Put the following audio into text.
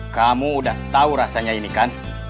kamu udah tahu rasanya ini kan